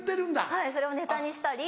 はいそれをネタにしたり。